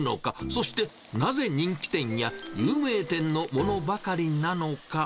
そして、なぜ人気店や、有名店のものばかりなのか。